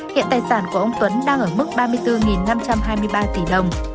hiện tài sản của ông tuấn đang ở mức ba mươi bốn năm trăm hai mươi ba tỷ đồng